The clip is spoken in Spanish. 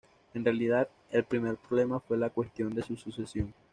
En realidad, el primer problema fue la cuestión de su sucesión.